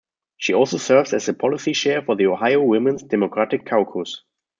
She also serves as the policy chair for the Ohio Women's Democratic Caucus.